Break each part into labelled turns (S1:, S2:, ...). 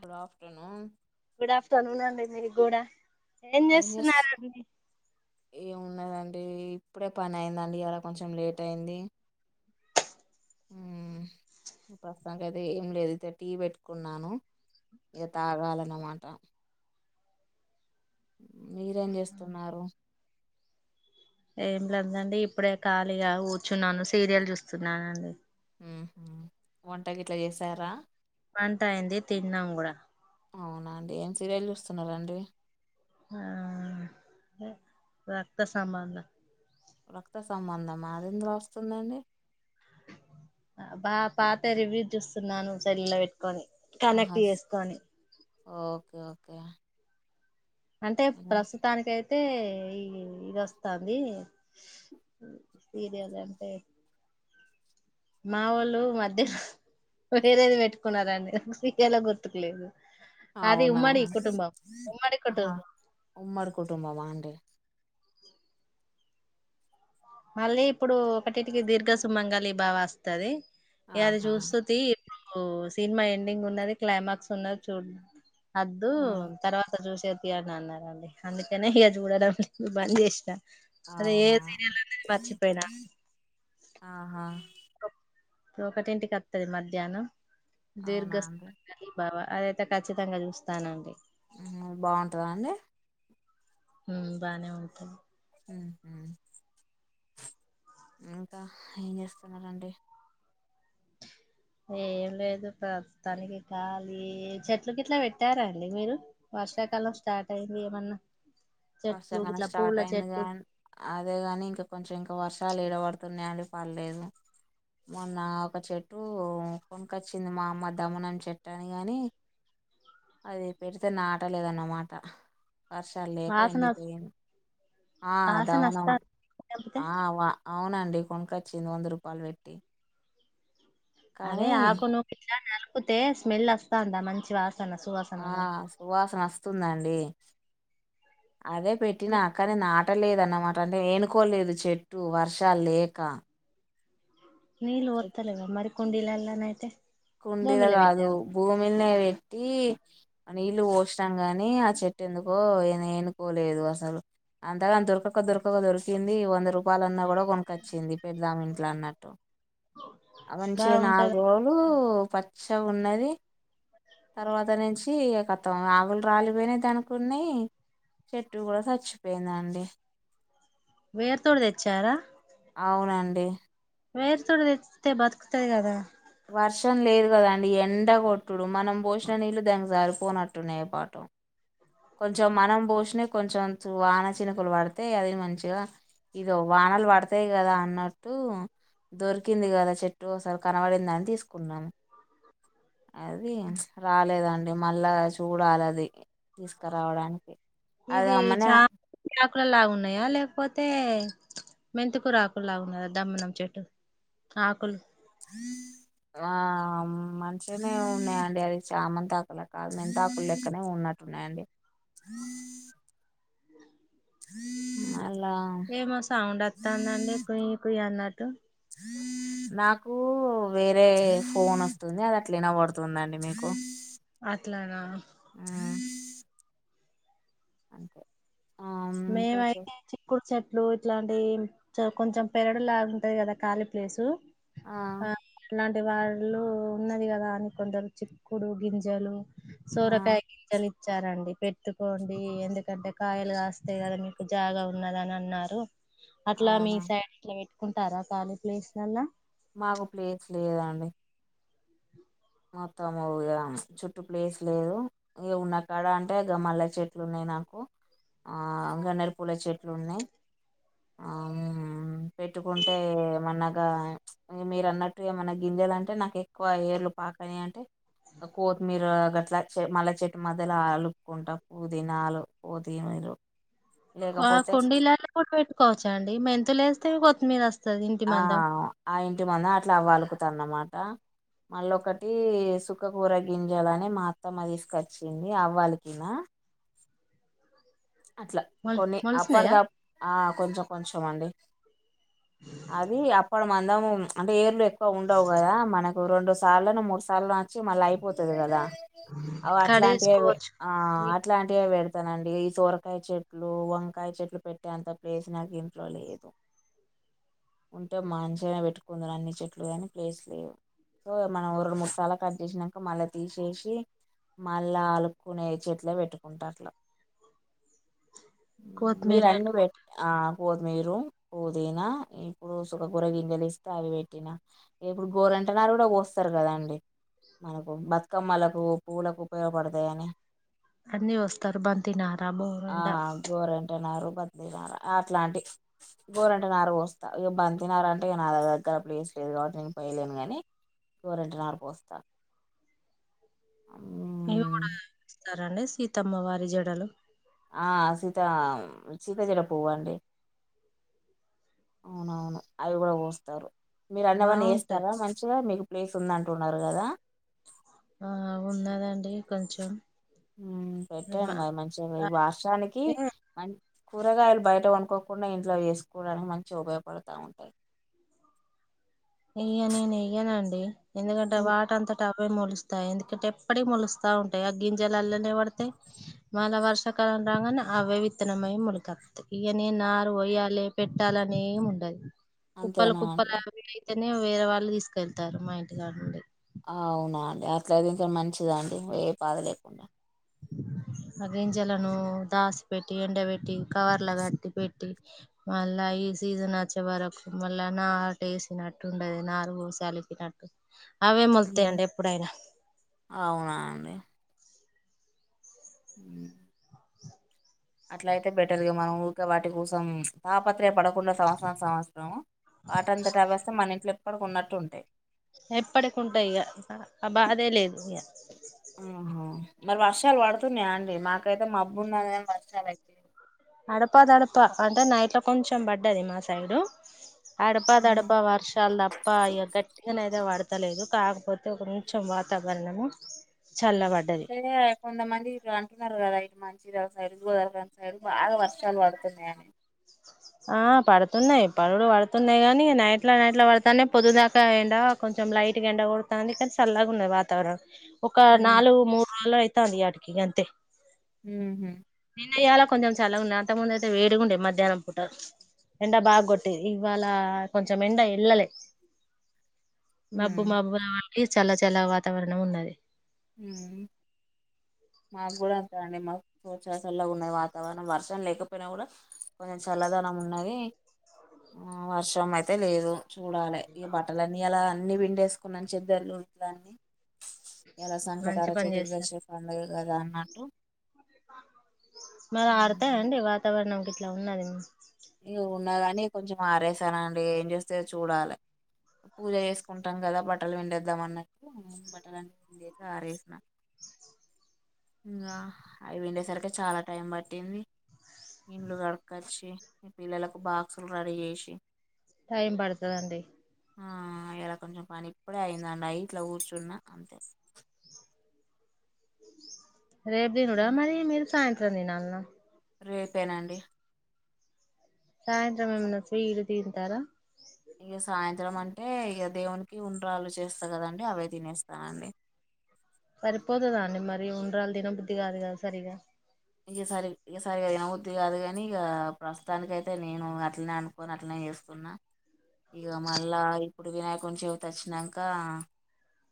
S1: Good afternoon
S2: good afternoon అండి మీగుడా
S1: ఏంజేస్తూ ఏమున్నదండి ఇప్పుడే పని అయిందండి ఇయల కొంచెం లేట్ అయింది ఊ పస్తుతానికైతే ఏం లేదు ఇంత టీ బేట్టుకున్నాను ఇగ తాగాలన్నమాట మీరేం జేస్తున్నారు.
S2: ఏం లాదండి ఇప్పుడే ఖాళీగ ఉచ్చున్నాను సీరియల్ జుస్తున్నాను నండి
S1: ఉ వంటకి గిట్లా ఎసారా.
S2: వంట అయింది తిన్నాం గూడా
S1: అవునా అండి ఏం సీరియల్ జూస్తున్నారండి.
S2: ఆ రక్త సంబంధం
S1: రక్త సంబంధం మా అది ఎందులో ఒస్తుందండి.
S2: బా పాతా రివ్యూ చూస్తున్నాను. సైల్ల వేట్కొని
S1: ఆహా
S2: కనెక్ట్ ఎస్కొని
S1: ఓకే ఓకే
S2: అంటే
S1: మ్మ్.
S2: ప్రస్తుతానికే అంటే ఈ ఈ ఈదస్తన్ది సీరియల్ అంటే మా వోళ్ళు మధ్య వేరేది వెట్టుకున్నారండి విటాల గుర్తుకులేదు. ఆది
S1: అవునా
S2: ఉమ్మడి కుటుంబం
S1: ఆహా ఉమ్మడి కుటుంబమా అండి.
S2: మళ్ళీ ఇప్పుడు ఒకటిటికి దీర్ఘ సుమంగాలి భవఅస్తాది ఇగ అది
S1: ఆహా
S2: జుస్తు తి ఓ సినిమా ఎండింగ్ ఉన్నది క్లైమాక్స్ ఉన్నది చూడ్ అద్దు
S1: ఉ
S2: తర్వాత జుసేవ్ తీ అనిఅన్నా రండి అందుకనే ఇగ చూడడం బంద్ జేష్న అది ఏ
S1: అవునా
S2: సీరియల్ అనేది మర్చిపోయినా
S1: ఆహా
S2: ఒకటింటికి అత్తది మధ్యానం దీర్ఘ
S1: అవునా అండి
S2: సుమ అదయితే ఖచ్చితంగా చూస్తానండి.
S1: ఉ బావుంటదా అండి.
S2: ఉ బానే ఉంటది.
S1: ఉహు ఇంకా ఎంజేస్తున్నరండీ
S2: ఏం లేదు ప్రస్తుతానికి ఖాళీ చెట్ల గిట్ల వే అండి మీరు వర్షాకాలం స్టార్ట్ అయింది ఏమన్నా చెట్లు
S1: వర్షాకాలం
S2: గిట్లా పూల
S1: స్టార్ట్ అయింది కా
S2: చెట్లు
S1: అదే గాని ఇంకా కొంచెం ఇంకా వర్షాలు ఎడవడుతున్నయండి పలేదు మొన్న ఒక చెట్టు కొనుకచ్చింది మా అమ్మ దమనం చెట్టు అని గానీ అది పెడితే నాటలేదన్నమాట వర్షాలు లేక
S2: వాసన
S1: ఎండిపోయి ఆ
S2: వాసన
S1: దవనం
S2: వస్తా తెంపితే
S1: అవ్ ఆ అవునండి కొనుకచ్చింది వంద రూపాయలు పెట్టి
S2: అదే
S1: కానీ
S2: ఆకునూ కి ఇట్లా నలుపూతే స్మెల్ అస్తాందా మంచి వాసన సువా
S1: ఆ సువాసన అస్తుందండి అదే పెట్టినా కానీ నట ట్టలేదు అన్నమాట అంటే ఏనుకోలేదు చెట్టు వర్షల్ లేక
S2: నీళ్లు పోతలేవా మరి కుండిలలానైతే
S1: కుండిల కాదు భూమిల్ని వెక్కి నీళ్లు పోనం గాని ఆ చెట్టు ఎందుకో ఏ ఎనుకోలేదు అసలు అంతగాని దొరకక దొరకక దొరికింది వంద రూపాయలున్నా కూడా కొనుకొచ్చింది పెద్ద ఆమె ఇంట్లో అన్నట్ట అవంచిగా నాలుగు
S2: బాగుంటది
S1: రోలు పచ్చగున్నది తర్వాత నుంచి ఇగ కతం ఆకులు రాలిపోయినా దని కున్నాయి చెట్టు కూడా చచ్చిపోయిందండి
S2: వేరుతోడి తెచ్చారా
S1: అవునండి
S2: వేరు తో తెతే బతుకుతది కదా
S1: వర్షం లేదు కదండి ఎండ కొొట్టుడు మనం పోసిన నీళ్లుు దానికి సారిపోనట్టున్నాయి ఏ పాటో కొంచెం మనం పోషిన కొంచెం వాన చినుకలు పడితే అది మంచిగా ఇగా వానాలు పడతాయి కదా అన్నట్టు దొరికింది కదా చెట్టు ఒసలు కనబడిందని తీసుకున్నారు అది రాలేదండి మళ్ళా చూడాలి అది తీసుకురావడానికి అది
S2: ఇవి
S1: అమ్మనే
S2: చ చాకులలాగున్నాయా లేకపోతే మెంతికూర ఆకులు లాగున్నాదా దమ్మనం చెట్టు ఆకులు
S1: వామ్ మంచిగానే ఉన్నాయండి అది చామంత తాకుల కా మన్ తాకులు లెక్కనే ఉన్నట్టు ఉన్నాయండి అలా
S2: ఏమో సౌండ్ అస్తందండి కొ్య కుయ్య అన్నట్టు
S1: నాకు వేరే ఫోన్ అస్తుంది అది అట్లనా ఇనపాడుతుందండి మీకు
S2: అట్లానా
S1: ఆ
S2: మేమైతే చిక్కుడు చెట్లు ఇట్లాంటి కొంచెం పెరడులాగాంటది కదా ఖాళీ ప్లేసు ఆ అలాంటి వాళ్ళు ఉన్నది కదా అని కొందరు చిక్కుడు గింజలు సోరకాయ గింజలు ఇచ్చారండి పెట్టుకోండి ఎందుకంటే కాయలు కాస్త వస్త కదా మీకు జాగా ఉన్నదని అన్నారు అట్లా మీ
S1: అవునా
S2: సైడ్ అట్లా కుంటారా థర్డ్ ప్లేస్ లలా
S1: మాకు ప్లేస్ లేదండి మొత్తంము ఇగ చుట్టు ప్లేస్ లేదు ఏ ఉన్నా కాడ అంటే గా మల్ల చెట్లు ఉన్నాయి నాకు ఆ గన్నేరుపూల చెట్లు ఉన్నాయి ఆ పెట్టుకుంటే ఏమన్నాగా మీరు అన్నట్టు ఏమన్నా గింజెలు అంటే నాకు ఎక్కువ ఏర్లు పాకని అంటే కొత్తిమీర గట్ల మళ్ళా చెట్టు మధ్యలో ఆలుక్కుంటా పుదీనాలు పోతినారు
S2: ఆ కుండీలలో కూడా పెట్టుకోవచ్చ అండి మెంతులు వస్తే కొత్తిమీద వస్తా
S1: ఆ ఆ ఇంటి మంది అట్లా అవ్వలుకుతాన అనమాట మళ్ళ ఒకటి సుఖకూర గింజాలనే మా అత్తమ్మ తీసుకొచ్చింది అ్వాలకినా అట్లా
S2: మొ
S1: కొన్ని
S2: మొలిసినాయా
S1: అప్పటిదప్ ఆ కొంచెం కొంచం అండి అది అప్పుడు మందము అంటే ఏర్లు ఎ క్ ఉండవు కదా మనకు రెండు సార్ను మూడు సార్లు వచ్చి మన లైఫ పోతది కదా అవ్ అట్లాంటివే
S2: కడిగేసుకోవచ్చు
S1: ఆ అట్లాంటివే పెడతానండి ఈ తూర వంకాయ చెట్లు వంకాయ చెట్లు పెట్టే అంత ప్లేస్ నాకు ఇంట్లో లేదు ఉంటే మంచేగానే పెట్టుకుందన్ అన్ని చెట్లు కాని ప్లేస్ లేవు సో మనం రెండు మడుసాలా కట్ చేసాక మళ్ళా తీసేసి మళ్ళా ఆలుకునే చెట్లే పెట్టుకుంటారు అట్లా మీరు
S2: కొత్తిమీర
S1: అన్ని పెట్ ఆ కొతిమీరు పుదీనా ఇప్పుడు సుకకూర గింజెలు ఇస్తే అవి పెట్టిన ఇప్పుడు గోరంట నారు కూడా పోస్తారు కదా అండి మనకు బతుకమ్మలకు పువ్వులకు ఉపయోగపడతాయని
S2: అన్ని వస్తారు బంతి నారా బోరుండ
S1: పట్టన బంతి నారా అట్లాంటి గోరంటే నారు పోస్తా ఇక బంతినార అంటే నా దగ దగ్గర ప్లేస్ లేదు కాట్టి నేను పోయలేనుగాని గోరంట నారు పోస్తా
S2: ఇవి
S1: ఉమ్,
S2: కూడా ఇస్తారండి సీతమ్మ వారి జడలు
S1: ఆ సీత సీతా జడ పువ్వండి అవునవును అవి కూడా పోస్తారు మీరు అన్నవన్నీ
S2: బాగుంటాయి
S1: చేస్తారా మంచిగా మీకు ప్లేస్ ఉందంటున్నారు కదా
S2: ఆ ఉన్నారాండి కొంచెం
S1: ఉమ్ పెట్టాను
S2: మా
S1: మరి మంచిగా ఈ వర్షానికి
S2: అంటే
S1: మ కూరగాయలు బయట కొనుకోకుండా ఇంట్లో వేసుకోవడానికి మంచిగా ఉపయోగపడుతా ఉంటాయి
S2: ఇయ్యా నేను ఇయ్యానుండి ఎందుకంటే
S1: ఎన్
S2: వాటంత అవే మలుస్తాయి ఎందుకంటే ఎప్పుడ మొలుస్తా ఉంటాయి ఆ గింజలు అల్లనే పడితే మళ వర్షకాలం రాంగనే అవే విత్తనమయ మొలకట్త్ ఇయానె నారు వోయాలి పెట్టాలనే ఉండదు. కుప్పలు
S1: అంతేనా
S2: కుప్పలు అవి అయితేనే వేరే వాళ్ళు తీసుకెళ్తారు మా ఇంటి గడ నుండి
S1: అవునా అండి అట్లాతే ఇంకా మంచిద అండి ఏ బధ లేకుండా
S2: ఆ గింజలను దాసి పెట్టి ఎండ పెట్టి కవర్ల కట్టి పెట్టి మళ్ళా ఈ సీజన్ వచ్చే వరకు మళ్ళా నార్ టేసినట్టు ఉండది నారుగు సలికిినట్టు అవే
S1: ఉమ్.
S2: మొలుతాయండి ఎప్పుడైనా
S1: అవునా అండి ఇ అట్లా అయితే బెటర్గా మనం ఊక వాటి కోసం తాపత్రయపడ పుట్టిన సంవత్సరం సంవత్సరం వాటంతటవే వస్తాయి మన ఇంట్లో ఎప్పటికి ఉన్నట్టు ఉంటాయి
S2: ఎప్పటికుంటాయి ఇగ ఆ ఆ బాధే లేదు ఇక
S1: ఆహా మరి వర్షాలు పడుతున్నాయా అండి మాకైతే మబ్బు ఉందనీ వర్షాలు అయితే లేవు
S2: అడపా తడపా అంటే నైట్ లో కొంచెం పడ్డది మా సైడు అడపా
S1: ఉమ్.
S2: తడపా వర్షాలు దప్పా ఇక గ టీగ అయితే పడతలేదు కాకపోతే ఒక కొంచెం వాతావరణము చల్లబడ్డది
S1: అంటే కొంతమంది ఇ అంటున్నారు కదా ఇటు మంచిది సైడ్ గోదవర సైడ్ బాగా వర్షాలు పడుతున్నాయిని
S2: ఆ పడుతున్నాయి పరులు పడుతున్నాయి కాగాని నైట్ల నైట్లా పడతానే పొదుదాకా ఏండా కొంచెం లైట్ గా ఎండ కొడతాది కానీ సల్లాగా ఉన్నది వాతావరణం ఒక
S1: ఉమ్
S2: నాలుగు మూడు రోజులు అయితంది ఇయాటికి అంతే
S1: ఉహు
S2: నిన్నయ్యాల కొెంచం చల్లగా ఉన్నా అంత ముందు అయితే వేడిగా ఉండే మధ్యాహ్నం రు ఎండ బాగా కొట్టేది ఇవాళ కొంచెం ఎండ వెల్ళలే మబ్బు
S1: ఉమ్.
S2: మబ్బు రా వాళి చల్ల చల్లగ వాతావరణం ఉన్నది
S1: ఉ మాకు కూడా అంతె అండి మాకు చ సల్లగున్నది వాతావరణం వర్షం లేకపోయినా కూడా కొంచెం చల్లదనం ఉన్నది ఆ వర్షం అయితే లేదు చూడాలే ఇగ బట్టల అన్నీ అలా అన్ని విండేసుకున్నా చెద్దర్లు ఇట్ల అన్నీ ఇయాలా సంక తార
S2: మంచి పని చేశారు
S1: చతుర్దశి పండగ కదా అన్నట్టు
S2: మరి
S1: ఉమ్,
S2: ఆరుతయండి వాతావరణంకి ఇట్లా ఉన్నది మ
S1: ఇగ ఉన్నా కాని కొంచెం ఆరెసానండి ఏం చేస్తే చూడాలి పూజ చేసుకుంటాం కదా బట్టలు విండేద్దాం అన్నట్టు బట్టలన్నీ విండేసి ఆరేసిన ఇంకా అవి విండేసరికి చాలా టైం పట్టింది ఇండ్లు కడకొచ్చి పిల్లలకు బాక్సులు రెడీ చేసి
S2: టైమ్ పడుతుతదండి
S1: ఆ ఇలా కొంచెం పని ఇప్పుడే అయిందండి అయి ఇట్లా కూర్చున్న అంతే
S2: రేపు తినుడా మరి మీరు సాయంత్రం తినాల్నా
S1: రేపేనండి
S2: సాయంత్రం మేమన్నా స్విట్ తింటరా
S1: ఇక సాయంత్రం అంటే ఇక దేవునికి ఉన్రాలు చేస్తా కదండి అవే తినేస్తానండి
S2: సరిపోతదా అండి మరి ఉండ్రాలు తిన బుద్ధది కాదు కదా సరిగా
S1: ఇగ సరి సరిగా తినవుద్ది కాదు కాని ఇక ప్రస్తుతానినికి అయితే నేను అట్నే అను కొని అట్లా చేస్తున్నా ఇక మళ్ళా ఇప్పుడు వినాయకుంచివిత వచ్చినాక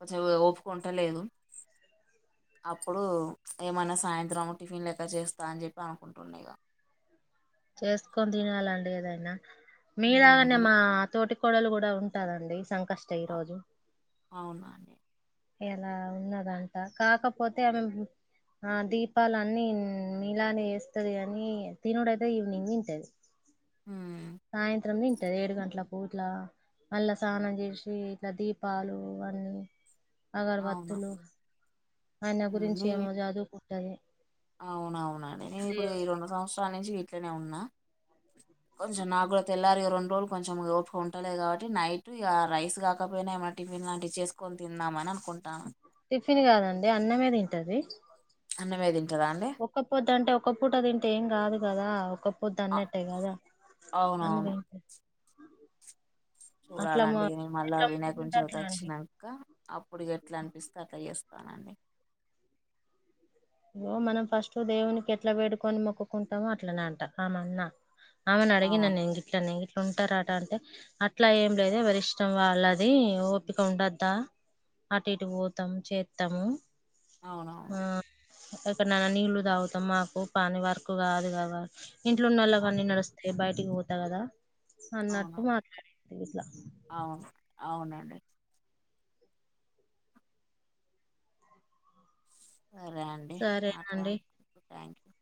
S1: కొంచెం ఒ ఓపికుంటలేదు అప్పుడు ఏమనా సాయంత్రం టిఫిన్ లెక్క చేస్తా అని చెప్పి అనుకుంటున్నా
S2: చేసుకొని తినాలండి ఏదైనా మీలాగానే
S1: హ్మ్
S2: మా తోటి కోడలు కూడా ఉంటదండి సంకష్ట ఈ రోజు
S1: అవునండి
S2: ఎలా ఉన్నదంట కాకపోతే ఆమె ఆ దీపాలు అన్ని నీలానే ఏస్తది గని తినడు అయితే ఈవినింగ్ తింటది
S1: ఉ
S2: సాయంత్రం తింటది ఏడు గంటల పూట్ల మళ్ళా స్నానం చేసి ఇట్లా దీపాలు అన్నీ
S1: అవునా
S2: అగర్వత్తులు ఆయన గురించి ఏమో చదువుకుంటది
S1: అవున అవునండి నేను ఇప్పుడు ఈ
S2: దేవుని
S1: రెండు సంవత్సరాల నుంచి ఇట్లనే ఉన్నా కొంచెం నాకు కూడా తెల్లారు ఈ రెండు రోజులు కొంచెం ఓపిక ఉంటలేదు కాబట్టి నైట్ ఇగ రైస్ కాకపోయినా ఏమ టిఫిన్ లాంటివి చేసుకొని తిందామ అని అనుకుంటాన
S2: టిఫిన్ కాదండి అన్నమే తింటది
S1: అన్నమే తింటాదా అండి
S2: ఒక్క పొద్దు అంటే ఒ పూట తింటే ఏం కాదు కదా ఒక పోద్దు
S1: అ
S2: అన్నట్టే కదా అన్ని
S1: అవునవును
S2: అట్లా మా
S1: చూడాలండి నేను మళ్ళా
S2: ఎట్లా
S1: వినాయకుని
S2: మొక్కుకుంటే అట్లా
S1: చవతి
S2: అండి
S1: వచ్చినా నకా అప్పుడు ఎట్లా అనిపిస్తే అట్లా చేస్తానండి
S2: ఇగో మనం ఫస్ట్ దేవునికి ఎట్లా వేడుకొని మొక్కుకుంటామో అట్లనే అంట ఆ మన్న ఆమెను
S1: ఆ
S2: అడిగిన నెను గిట్లనే ఇట్లా ఉంటారాట అంటే అట్లా ఏం లేదు ఎవరి ఇష్టం వాళ్ళది ఓపిక ఉండద్దా అటు ఇటు పోతాము చేస్తాము
S1: అవునవును
S2: ఆ ఎక్కడైనా నీళ్లు తాగుతాం మాకు పని వరకు కాదు కదా ఇంట్లోన్నళ్ళకి కన్ని నడుస్త అదే బయటికి పోతా కదా
S1: అవును
S2: అన్నట్టు మాట్లాడ ఇట్లా
S1: అవును అవునండి సరే అండి
S2: సరేనండి.
S1: మాట్లాడినందుకు థ్యాంక్ యూ